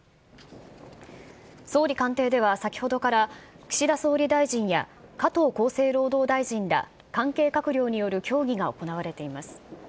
総理官邸では先ほどから、岸田総理大臣や加藤厚生労働大臣ら関係閣僚による協議が行われています。